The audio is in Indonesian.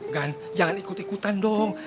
kan jangan ikut ikutan dong